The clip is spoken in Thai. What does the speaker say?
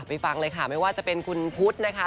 ฟังเลยค่ะไม่ว่าจะเป็นคุณพุทธนะคะ